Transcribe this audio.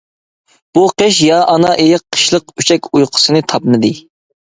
بۇ قىش يا ئانا ئېيىق قىشلىق ئۈچەك ئۇيقۇسىنى تاپمىدى.